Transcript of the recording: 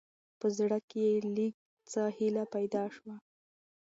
په زړه، کې يې لېږ څه هېله پېدا شوه.